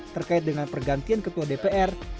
terkait dengan pergantian ketua dpr